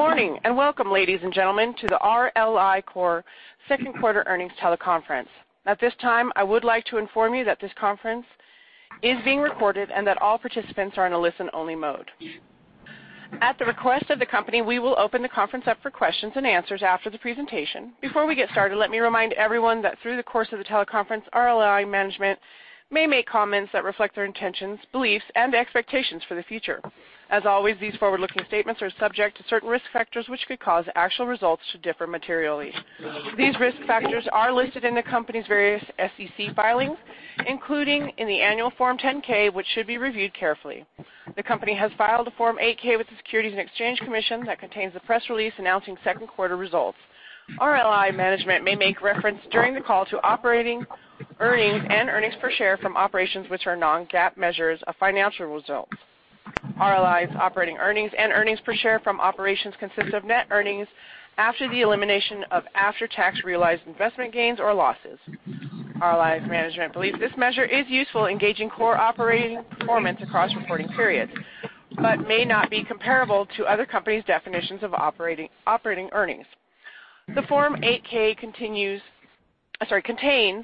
Good morning, and welcome, ladies and gentlemen, to the RLI Corp. Second Quarter Earnings teleconference. At this time, I would like to inform you that this conference is being recorded and that all participants are in a listen-only mode. At the request of the company, we will open the conference up for questions and answers after the presentation. Before we get started, let me remind everyone that through the course of the teleconference, RLI management may make comments that reflect their intentions, beliefs, and expectations for the future. As always, these forward-looking statements are subject to certain risk factors which could cause actual results to differ materially. These risk factors are listed in the company's various SEC filings, including in the annual Form 10-K, which should be reviewed carefully. The company has filed a Form 8-K with the Securities and Exchange Commission that contains a press release announcing second quarter results. RLI management may make reference during the call to operating earnings and earnings per share from operations which are non-GAAP measures of financial results. RLI's operating earnings and earnings per share from operations consist of net earnings after the elimination of after-tax realized investment gains or losses. RLI's management believes this measure is useful in gauging core operating performance across reporting periods but may not be comparable to other company's definitions of operating earnings. The Form 8-K contains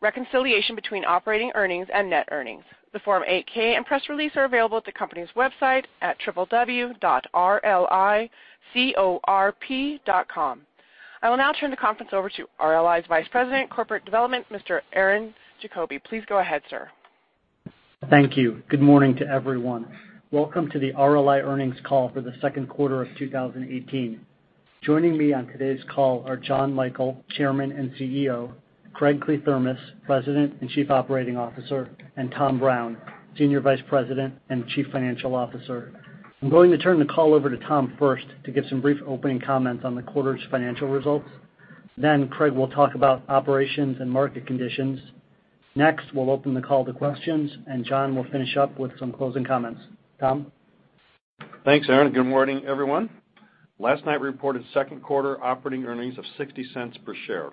reconciliation between operating earnings and net earnings. The Form 8-K and press release are available at the company's website at www.rlicorp.com. I will now turn the conference over to RLI's Vice President of Corporate Development, Mr. Aaron Diefenthaler. Please go ahead, sir. Thank you. Good morning to everyone. Welcome to the RLI earnings call for the second quarter of 2018. Joining me on today's call are Jonathan Michael, Chairman and CEO, Craig Kliethermes, President and Chief Operating Officer, and Tom Brown, Senior Vice President and Chief Financial Officer. I'm going to turn the call over to Tom first to give some brief opening comments on the quarter's financial results. Then Craig will talk about operations and market conditions. Next, we'll open the call to questions, and John will finish up with some closing comments. Tom? Thanks, Aaron. Good morning, everyone. Last night, we reported second quarter operating earnings of $0.60 per share.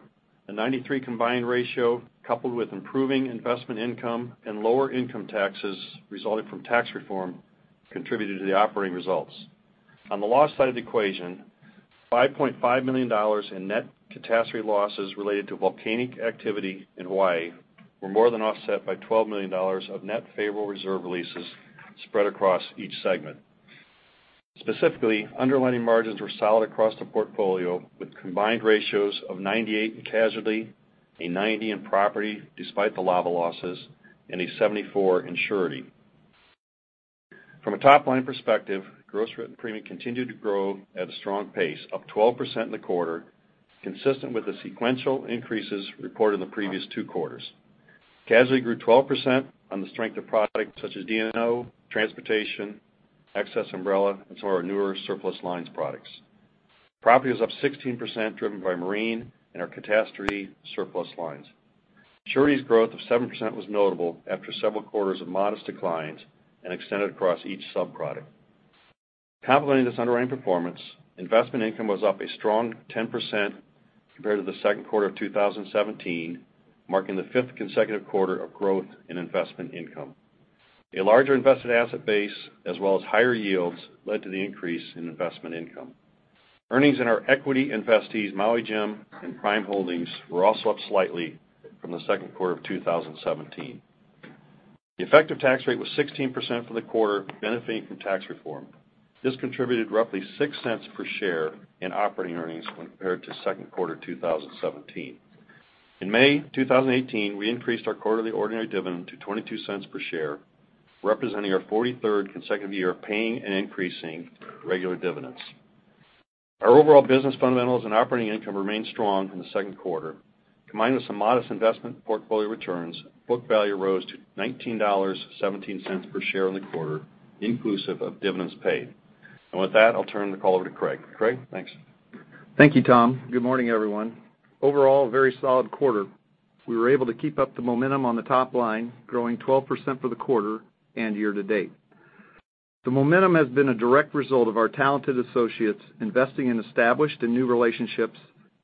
A 93% combined ratio, coupled with improving investment income and lower income taxes resulting from tax reform contributed to the operating results. On the loss side of the equation, $5.5 million in net catastrophe losses related to volcanic activity in Hawaii were more than offset by $12 million of net favorable reserve releases spread across each segment. Specifically, underlying margins were solid across the portfolio, with combined ratios of 98% in casualty, a 90% in property despite the lava losses, and a 74% in surety. From a top-line perspective, gross written premium continued to grow at a strong pace, up 12% in the quarter, consistent with the sequential increases reported in the previous two quarters. Casualty grew 12% on the strength of products such as D&O, transportation, excess umbrella, and some of our newer surplus lines products. Property was up 16%, driven by marine and our catastrophe surplus lines. Surety's growth of 7% was notable after several quarters of modest declines and extended across each sub-product. Complementing this underwriting performance, investment income was up a strong 10% compared to the second quarter of 2017, marking the fifth consecutive quarter of growth in investment income. A larger invested asset base, as well as higher yields, led to the increase in investment income. Earnings in our equity investees, Maui Jim and Prime Holdings, were also up slightly from the second quarter of 2017. The effective tax rate was 16% for the quarter, benefiting from tax reform. This contributed roughly $0.06 per share in operating earnings when compared to the second quarter of 2017. In May 2018, we increased our quarterly ordinary dividend to $0.22 per share, representing our 43rd consecutive year of paying and increasing regular dividends. Our overall business fundamentals and operating income remained strong in the second quarter. Combined with some modest investment portfolio returns, book value rose to $19.17 per share in the quarter, inclusive of dividends paid. With that, I'll turn the call over to Craig. Craig? Thanks. Thank you, Tom. Good morning, everyone. Overall, a very solid quarter. We were able to keep up the momentum on the top line, growing 12% for the quarter and year-to-date. The momentum has been a direct result of our talented associates investing in established and new relationships,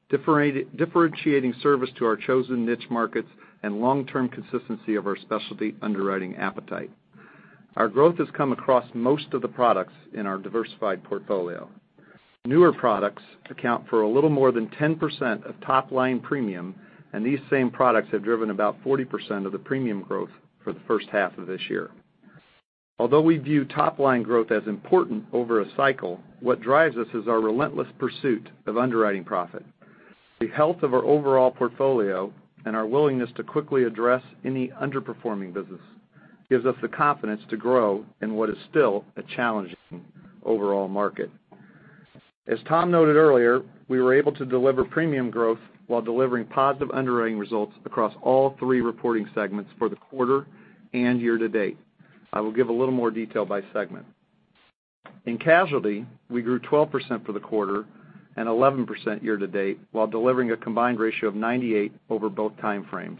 differentiating service to our chosen niche markets, and long-term consistency of our specialty underwriting appetite. Our growth has come across most of the products in our diversified portfolio. Newer products account for a little more than 10% of top-line premium, and these same products have driven about 40% of the premium growth for the first half of this year. We view top-line growth as important over a cycle, what drives us is our relentless pursuit of underwriting profit. The health of our overall portfolio and our willingness to quickly address any underperforming business gives us the confidence to grow in what is still a challenging overall market. As Tom noted earlier, we were able to deliver premium growth while delivering positive underwriting results across all three reporting segments for the quarter and year-to-date. I will give a little more detail by segment. In casualty, we grew 12% for the quarter and 11% year-to-date while delivering a combined ratio of 98 over both time frames.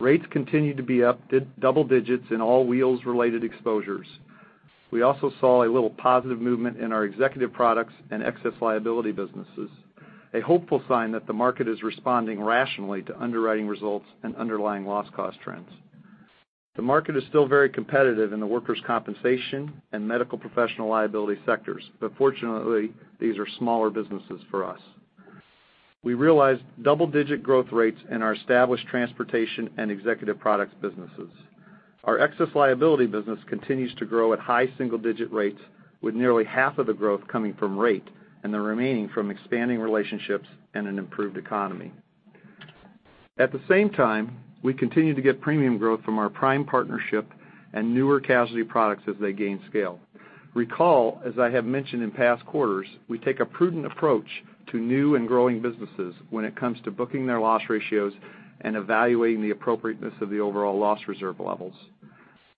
Rates continued to be up double digits in all wheels related exposures. We also saw a little positive movement in our executive products and excess liability businesses, a hopeful sign that the market is responding rationally to underwriting results and underlying loss cost trends. The market is still very competitive in the workers' compensation and medical professional liability sectors, but fortunately, these are smaller businesses for us. We realized double-digit growth rates in our established transportation and executive products businesses. Our excess liability business continues to grow at high single-digit rates, with nearly half of the growth coming from rate and the remaining from expanding relationships and an improved economy. At the same time, we continue to get premium growth from our Prime partnership and newer casualty products as they gain scale. Recall, as I have mentioned in past quarters, we take a prudent approach to new and growing businesses when it comes to booking their loss ratios and evaluating the appropriateness of the overall loss reserve levels.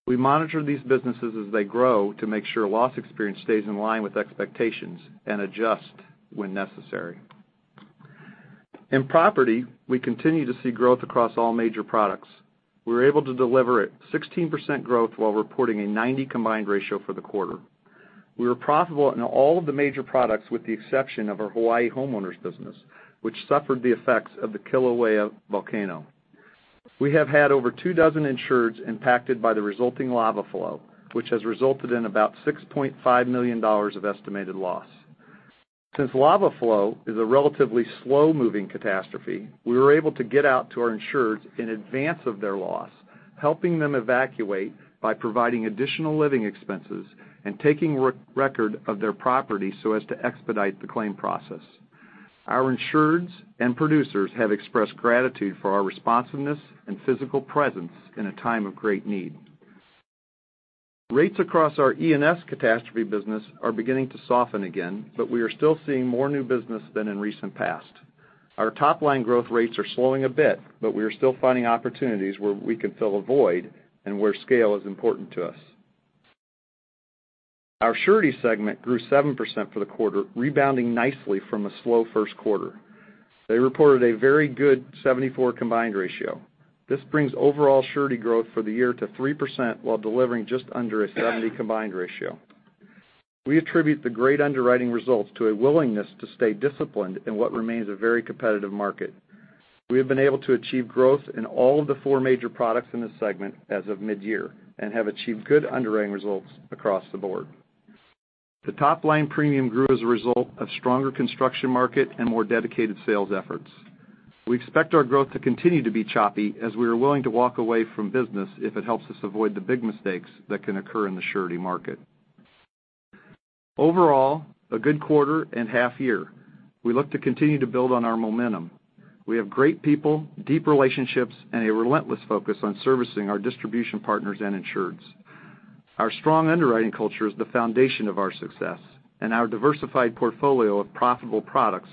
We monitor these businesses as they grow to make sure loss experience stays in line with expectations and adjust when necessary. In property, we continue to see growth across all major products. We were able to deliver a 16% growth while reporting a 90 combined ratio for the quarter. We were profitable in all of the major products, with the exception of our Hawaii homeowners business, which suffered the effects of the Kilauea volcano. We have had over two dozen insureds impacted by the resulting lava flow, which has resulted in about $6.5 million of estimated loss. Since lava flow is a relatively slow-moving catastrophe, we were able to get out to our insureds in advance of their loss, helping them evacuate by providing additional living expenses and taking record of their property so as to expedite the claim process. Our insureds and producers have expressed gratitude for our responsiveness and physical presence in a time of great need. Rates across our E&S catastrophe business are beginning to soften again, but we are still seeing more new business than in recent past. Our top-line growth rates are slowing a bit, but we are still finding opportunities where we can fill a void and where scale is important to us. Our surety segment grew 7% for the quarter, rebounding nicely from a slow first quarter. They reported a very good 74 combined ratio. This brings overall surety growth for the year to 3% while delivering just under a 70 combined ratio. We attribute the great underwriting results to a willingness to stay disciplined in what remains a very competitive market. We have been able to achieve growth in all of the four major products in this segment as of midyear and have achieved good underwriting results across the board. The top-line premium grew as a result of stronger construction market and more dedicated sales efforts. We expect our growth to continue to be choppy as we are willing to walk away from business if it helps us avoid the big mistakes that can occur in the surety market. Overall, a good quarter and half year. We look to continue to build on our momentum. We have great people, deep relationships, and a relentless focus on servicing our distribution partners and insureds. Our strong underwriting culture is the foundation of our success, and our diversified portfolio of profitable products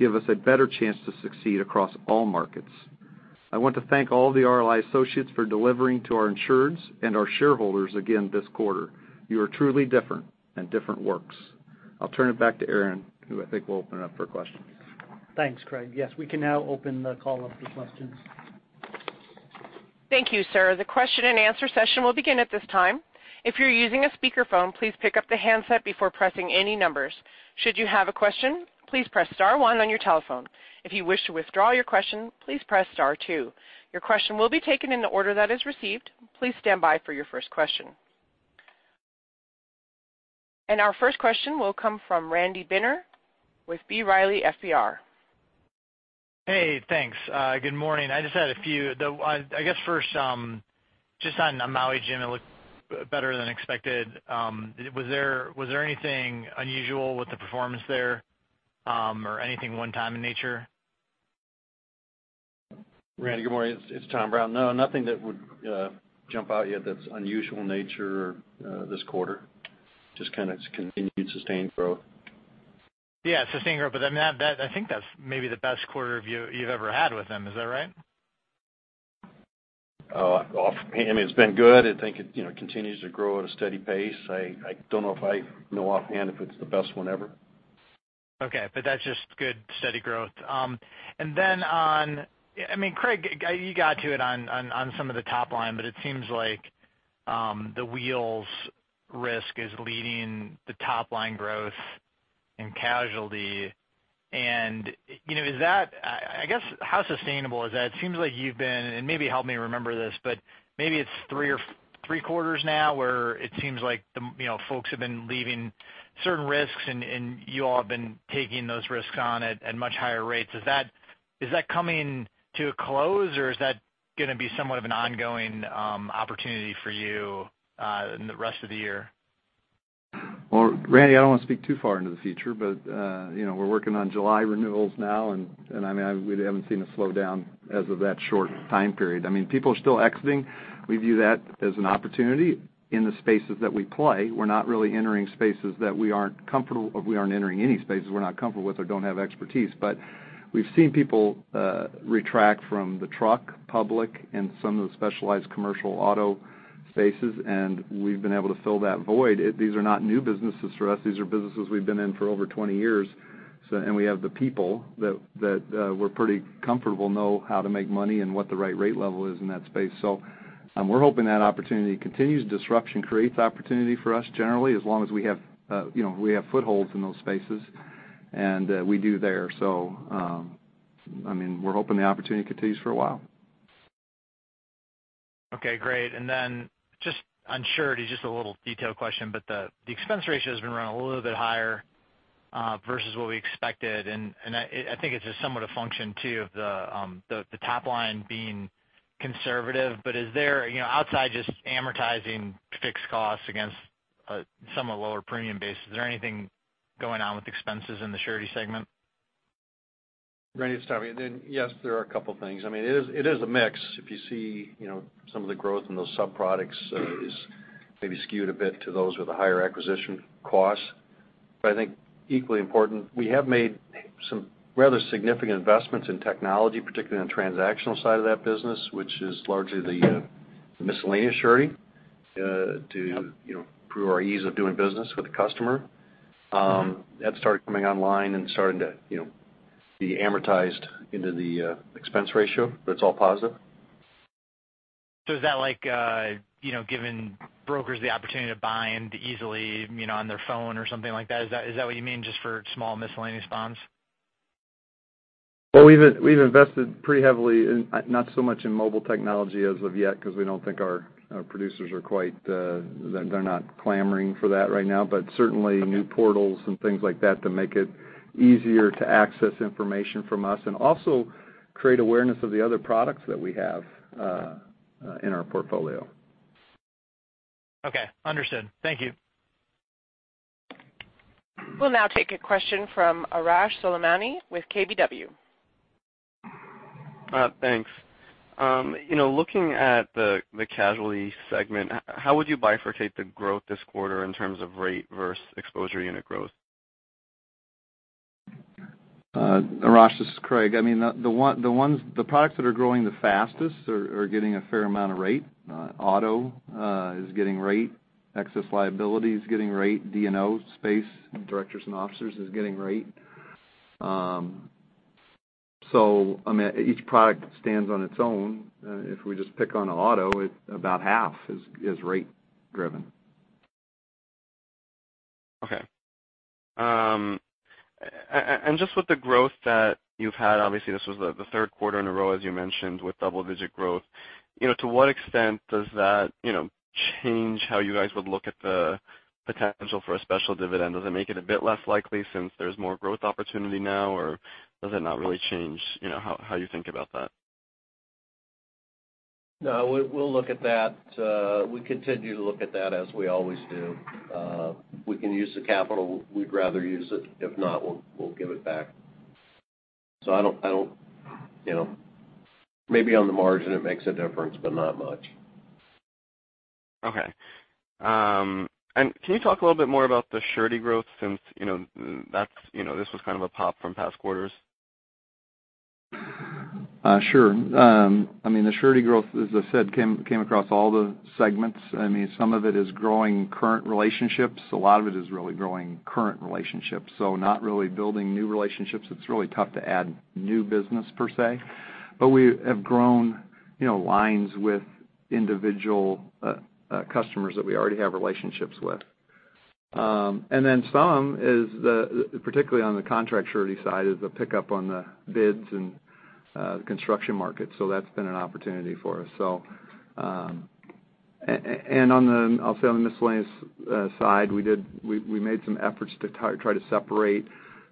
give us a better chance to succeed across all markets. I want to thank all the RLI associates for delivering to our insureds and our shareholders again this quarter. You are truly different, and different works. I'll turn it back to Aaron, who I think will open up for questions. Thanks, Craig. Yes, we can now open the call up to questions. Thank you, sir. The question and answer session will begin at this time. If you're using a speakerphone, please pick up the handset before pressing any numbers. Should you have a question, please press star one on your telephone. If you wish to withdraw your question, please press star two. Your question will be taken in the order that is received. Please stand by for your first question. Our first question will come from Randy Binner with B. Riley FBR. Hey, thanks. Good morning. I just had a few. I guess first, just on Maui Jim, it looked better than expected. Was there anything unusual with the performance there or anything one time in nature? Randy, good morning. It's Tom Brown. No, nothing that would jump out at you that's unusual in nature this quarter. Just kind of continued sustained growth. Sustained growth. I think that's maybe the best quarter you've ever had with them. Is that right? Offhand, it's been good. I think it continues to grow at a steady pace. I don't know if I know offhand if it's the best one ever. Okay. That's just good, steady growth. Craig, you got to it on some of the top line, it seems like the wheels risk is leading the top-line growth in casualty. I guess, how sustainable is that? It seems like you've been, and maybe help me remember this, but maybe it's three quarters now where it seems like folks have been leaving certain risks, and you all have been taking those risks on at much higher rates. Is that coming to a close, or is that going to be somewhat of an ongoing opportunity for you in the rest of the year? Well, Randy, I don't want to speak too far into the future, we're working on July renewals now, we haven't seen a slowdown as of that short time period. People are still exiting. We view that as an opportunity in the spaces that we play. We're not really entering any spaces we're not comfortable with or don't have expertise. We've seen people retract from the truck, public, and some of the specialized commercial auto spaces, and we've been able to fill that void. These are not new businesses for us. These are businesses we've been in for over 20 years, and we have the people that we're pretty comfortable know how to make money and what the right rate level is in that space. We're hoping that opportunity continues. Disruption creates opportunity for us generally, as long as we have footholds in those spaces, and we do there. I mean, we're hoping the opportunity continues for a while. Okay, great. Then just on Surety, just a little detail question, the expense ratio has been running a little bit higher versus what we expected, I think it's somewhat a function too of the top line being conservative. Outside just amortizing fixed costs against somewhat lower premium base, is there anything going on with expenses in the Surety segment? Randy, it's Tommy. Yes, there are a couple things. It is a mix. If you see some of the growth in those sub-products is maybe skewed a bit to those with a higher acquisition cost. I think equally important, we have made some rather significant investments in technology, particularly on the transactional side of that business, which is largely the Miscellaneous Surety, to improve our ease of doing business with the customer. That started coming online and starting to be amortized into the expense ratio, it's all positive. Is that like giving brokers the opportunity to bind easily on their phone or something like that? Is that what you mean, just for small Miscellaneous bonds? We've invested pretty heavily, not so much in mobile technology as of yet because we don't think our producers are quite. They're not clamoring for that right now. Certainly new portals and things like that to make it easier to access information from us, and also create awareness of the other products that we have in our portfolio. Okay. Understood. Thank you. We'll now take a question from Arash Soleimani with KBW. Thanks. Looking at the Casualty segment, how would you bifurcate the growth this quarter in terms of rate versus exposure unit growth? Arash, this is Craig. The products that are growing the fastest are getting a fair amount of rate. Auto is getting rate. Excess liability is getting rate. D&O space, directors and officers, is getting rate. Each product stands on its own. If we just pick on Auto, about half is rate driven. Okay. Just with the growth that you've had, obviously this was the third quarter in a row, as you mentioned, with double-digit growth. To what extent does that change how you guys would look at the potential for a special dividend? Does it make it a bit less likely since there's more growth opportunity now, or does it not really change how you think about that? We'll look at that. We continue to look at that as we always do. If we can use the capital, we'd rather use it. If not, we'll give it back. Maybe on the margin it makes a difference, but not much. Okay. Can you talk a little bit more about the Surety growth since this was kind of a pop from past quarters? Sure. The Surety growth, as I said, came across all the segments. Some of it is growing current relationships. A lot of it is really growing current relationships. Not really building new relationships. It's really tough to add new business, per se. We have grown lines with individual customers that we already have relationships with. Some, particularly on the Contract Surety side, is the pickup on the bids and the construction market. That's been an opportunity for us. I'll say on the Miscellaneous Surety side, we made some efforts to try to separate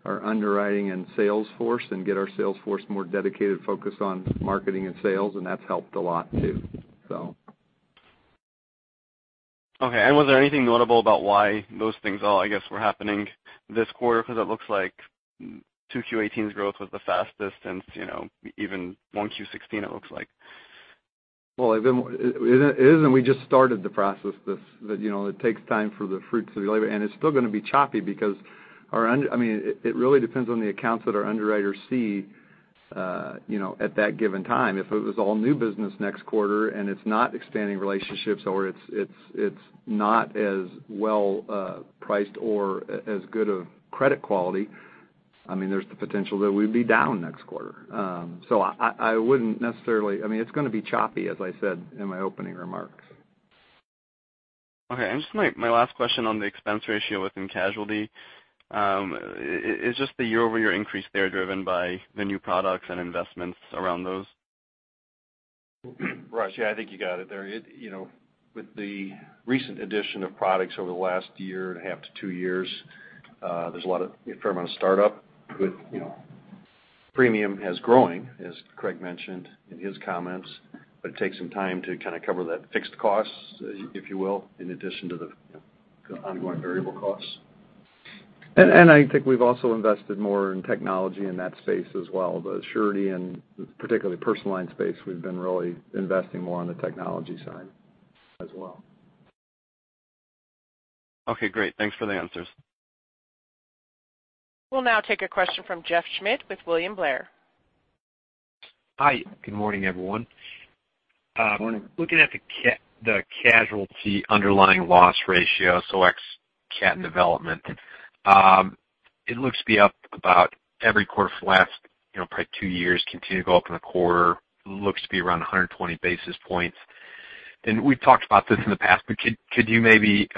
our underwriting and sales force and get our sales force more dedicated, focused on marketing and sales, and that's helped a lot too. Okay. Was there anything notable about why those things all, I guess, were happening this quarter? It looks like 2Q18's growth was the fastest since even 1Q16, it looks like. Well, it isn't. We just started the process. It takes time for the [fruit to be ripe, and it's still going to be choppy because it really depends on the accounts that our underwriters see at that given time. If it was all new business next quarter and it's not expanding relationships or it's not as well priced or as good of credit quality, there's the potential that we'd be down next quarter. I wouldn't necessarily. It's going to be choppy, as I said in my opening remarks. Okay. Just my last question on the expense ratio within Casualty. Is just the year-over-year increase there driven by the new products and investments around those? Arash, yeah, I think you got it there. With the recent addition of products over the last one and a half to two years, there's a fair amount of startup. Premium is growing, as Craig mentioned in his comments, but it takes some time to kind of cover that fixed cost, if you will, in addition to the ongoing variable costs. I think we've also invested more in technology in that space as well. The Surety and particularly personal line space, we've been really investing more on the technology side as well. Okay, great. Thanks for the answers. We'll now take a question from Jeff Schmitt with William Blair. Hi. Good morning, everyone. Morning. Looking at the Casualty underlying loss ratio, so ex-cat and development. It looks to be up about every quarter for the last probably two years, continue to go up in the quarter. Looks to be around 120 basis points. We've talked about this in the past, but could you maybe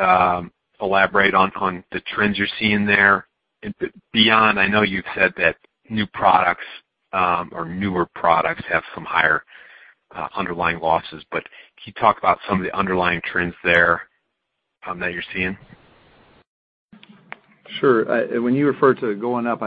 elaborate on the trends you're seeing there beyond, I know you've said that new products or newer products have some higher underlying losses, but could you talk about some of the underlying trends there that you're seeing? Sure. When you refer to going up,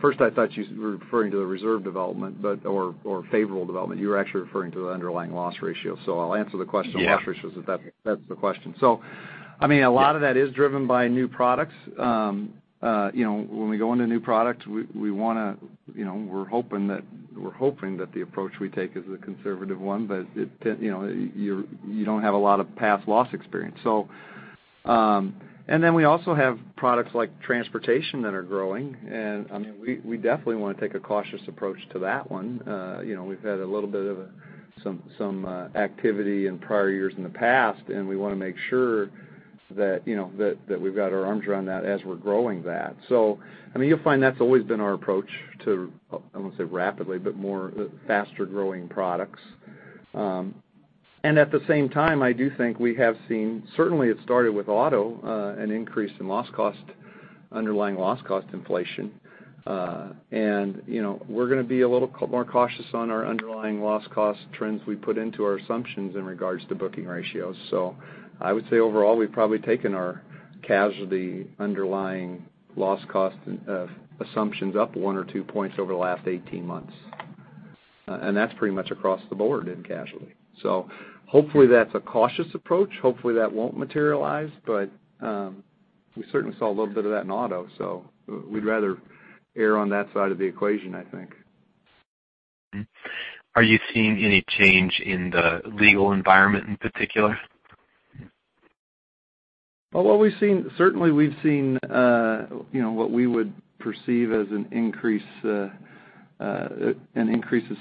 first I thought you were referring to the reserve development, or favorable development. You were actually referring to the underlying loss ratio. I'll answer the question. Yeah Loss ratios, if that's the question. A lot of that is driven by new products. When we go into new products, we're hoping that the approach we take is the conservative one, but you don't have a lot of past loss experience. Then we also have products like transportation that are growing, and we definitely want to take a cautious approach to that one. We've had a little bit of some activity in prior years in the past, and we want to make sure that we've got our arms around that as we're growing that. You'll find that's always been our approach to, I won't say rapidly, but more faster growing products. At the same time, I do think we have seen, certainly it started with auto, an increase in underlying loss cost inflation. We're going to be a little more cautious on our underlying loss cost trends we put into our assumptions in regards to book-to-bill ratio. I would say overall, we've probably taken our casualty underlying loss cost assumptions up one or two points over the last 18 months. That's pretty much across the board in casualty. Hopefully that's a cautious approach. Hopefully that won't materialize, but we certainly saw a little bit of that in auto. We'd rather err on that side of the equation, I think. Are you seeing any change in the legal environment in particular? Well, certainly we've seen what we would perceive as an increase of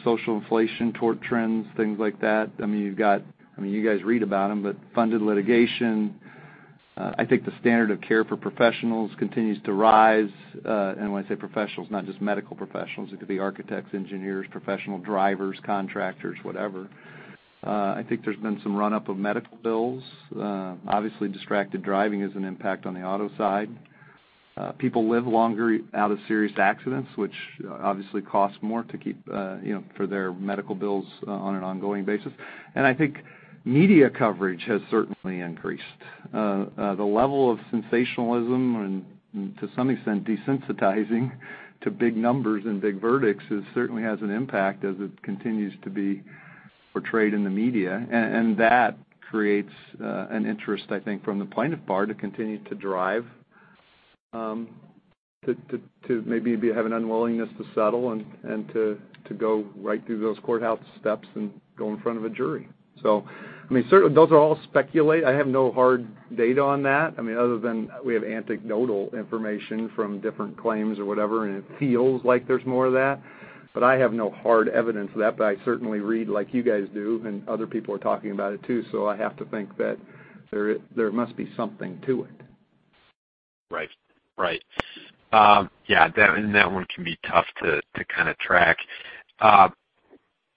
social inflation toward trends, things like that. You guys read about them, but funded litigation. I think the standard of care for professionals continues to rise. When I say professionals, not just medical professionals, it could be architects, engineers, professional drivers, contractors, whatever. I think there's been some run-up of medical bills. Obviously distracted driving is an impact on the auto side. People live longer out of serious accidents, which obviously costs more to keep for their medical bills on an ongoing basis. I think media coverage has certainly increased. The level of sensationalism and to some extent, desensitizing to big numbers and big verdicts certainly has an impact as it continues to be portrayed in the media. That creates an interest, I think, from the plaintiff bar to continue to drive, to maybe have an unwillingness to settle and to go right through those courthouse steps and go in front of a jury. Those are all speculate. I have no hard data on that, other than we have anecdotal information from different claims or whatever, and it feels like there's more of that. I have no hard evidence of that, but I certainly read like you guys do, and other people are talking about it too. I have to think that there must be something to it. Right. Yeah, that one can be tough to kind of track.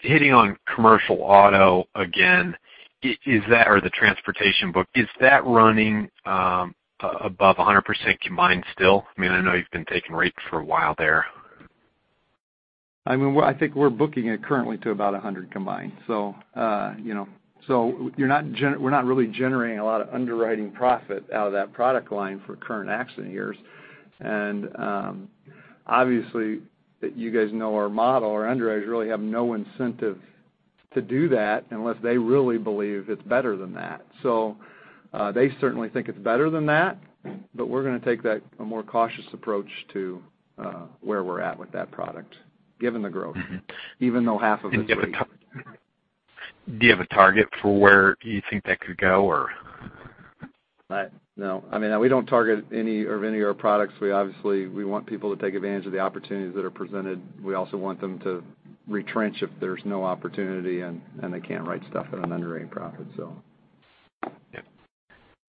Hitting on commercial auto again, or the transportation book, is that running above 100% combined still? I know you've been taking rates for a while there. I think we're booking it currently to about 100 combined. We're not really generating a lot of underwriting profit out of that product line for current accident years. Obviously, you guys know our model. Our underwriters really have no incentive to do that unless they really believe it's better than that. They certainly think it's better than that, but we're going to take a more cautious approach to where we're at with that product, given the growth. Even though half of it Do you have a target for where you think that could go, or? No. We don't target any of our products. Obviously, we want people to take advantage of the opportunities that are presented. We also want them to retrench if there's no opportunity, and they can't write stuff at an underwriting profit. Yep.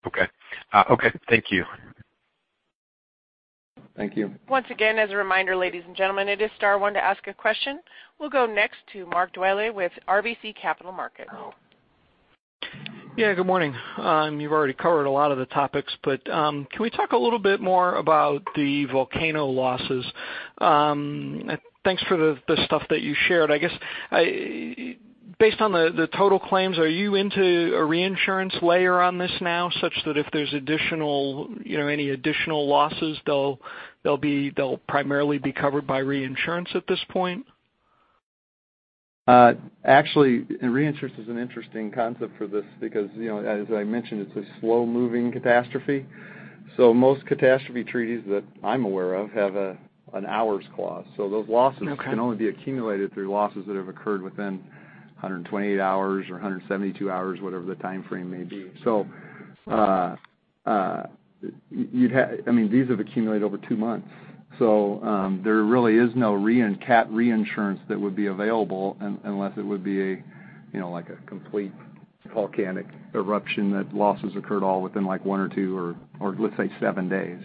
Okay. Thank you. Thank you. Once again, as a reminder, ladies and gentlemen, it is star one to ask a question. We'll go next to Mark Dwelle with RBC Capital Markets. Good morning. You've already covered a lot of the topics, but can we talk a little bit more about the volcano losses? Thanks for the stuff that you shared. I guess based on the total claims, are you into a reinsurance layer on this now, such that if there's any additional losses, they'll primarily be covered by reinsurance at this point? Actually, reinsurance is an interesting concept for this because, as I mentioned, it's a slow moving catastrophe. Most catastrophe treaties that I'm aware of have an hours clause. Those losses Okay can only be accumulated through losses that have occurred within 128 hours or 172 hours, whatever the time frame may be. These have accumulated over two months. There really is no catastrophe reinsurance that would be available unless it would be like a complete volcanic eruption that losses occurred all within like one or two or let's say seven days.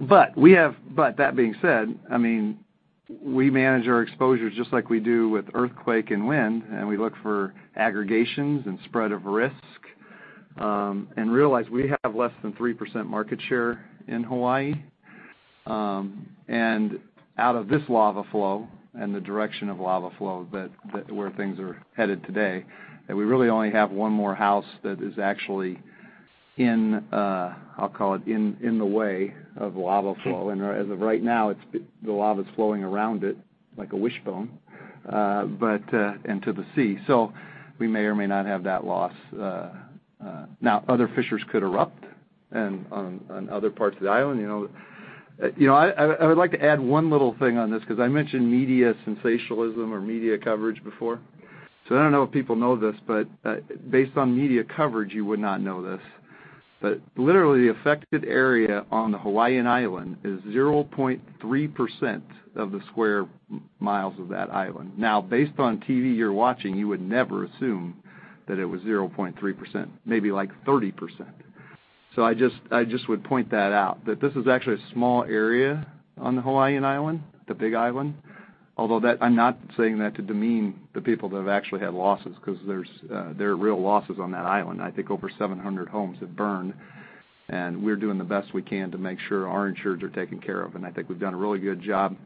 That being said, we manage our exposures just like we do with earthquake and wind, and we look for aggregations and spread of risk, and realize we have less than 3% market share in Hawaii. Out of this lava flow and the direction of lava flow, where things are headed today, that we really only have one more house that is actually in, I'll call it, in the way of lava flow. As of right now, the lava's flowing around it like a wishbone, into the sea. We may or may not have that loss. Other fissures could erupt on other parts of the island. I would like to add one little thing on this, because I mentioned media sensationalism or media coverage before. I don't know if people know this, but based on media coverage, you would not know this, but literally the affected area on the Hawaiian Island is 0.3% of the square miles of that island. Based on TV you're watching, you would never assume that it was 0.3%, maybe like 30%. I just would point that out, that this is actually a small area on the Hawaiian Island, the Big Island. I'm not saying that to demean the people that have actually had losses, because there are real losses on that island. I think over 700 homes have burned, and we're doing the best we can to make sure our insureds are taken care of. I think we've done a really good job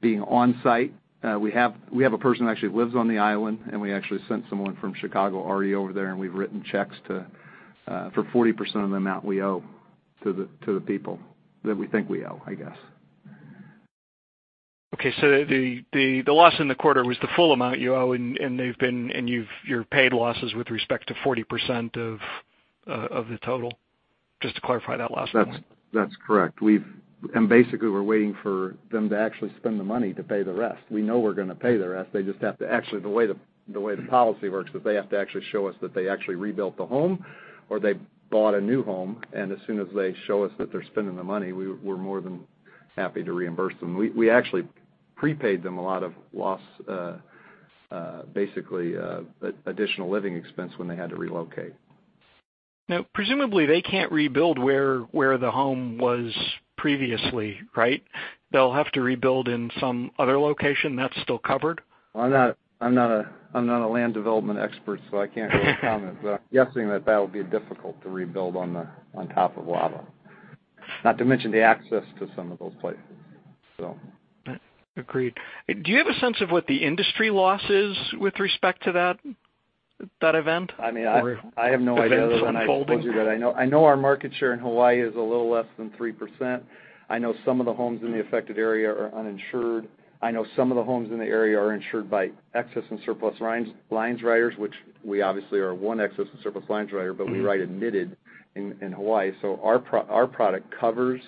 being on-site. We have a person who actually lives on the island, and we actually sent someone from Chicago already over there, and we've written checks for 40% of the amount we owe to the people that we think we owe, I guess. Okay, the loss in the quarter was the full amount you owe, and you've paid losses with respect to 40% of the total? Just to clarify that last point. That's correct. Basically, we're waiting for them to actually spend the money to pay the rest. We know we're going to pay the rest. Actually, the way the policy works, that they have to actually show us that they actually rebuilt the home or they bought a new home, and as soon as they show us that they're spending the money, we're more than happy to reimburse them. We actually prepaid them a lot of loss, basically, additional living expense when they had to relocate. Presumably, they can't rebuild where the home was previously, right? They'll have to rebuild in some other location. That's still covered? I'm not a land development expert, so I can't really comment. I'm guessing that that would be difficult to rebuild on top of lava. Not to mention the access to some of those places. Agreed. Do you have a sense of what the industry loss is with respect to that event? I have no idea other than I told you that I know our market share in Hawaii is a little less than 3%. I know some of the homes in the affected area are uninsured. I know some of the homes in the area are insured by excess and surplus lines writers, which we obviously are one excess and surplus lines writer, but we write admitted in Hawaii. Our product covers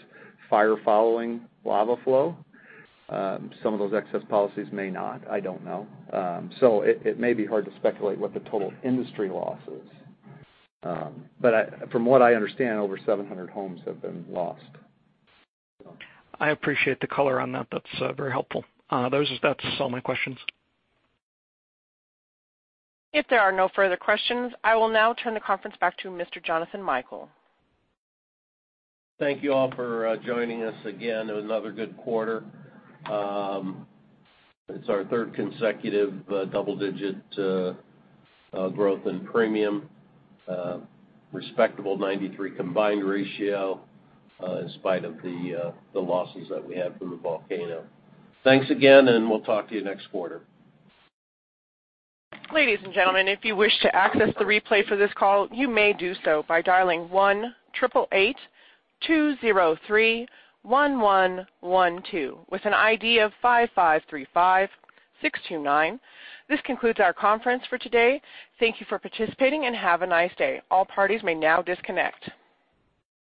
fire following lava flow. Some of those excess policies may not, I don't know. It may be hard to speculate what the total industry loss is. From what I understand, over 700 homes have been lost. I appreciate the color on that. That's very helpful. That's all my questions. If there are no further questions, I will now turn the conference back to Mr. Jonathan Michael. Thank you all for joining us again. It was another good quarter. It's our third consecutive double-digit growth in premium. Respectable 93 combined ratio in spite of the losses that we had from the volcano. Thanks again. We'll talk to you next quarter. Ladies and gentlemen, if you wish to access the replay for this call, you may do so by dialing 1-888-203-1112 with an ID of 5535629. This concludes our conference for today. Thank you for participating. Have a nice day. All parties may now disconnect.